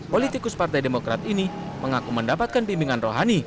politikus partai demokrat ini mengaku mendapatkan bimbingan rohani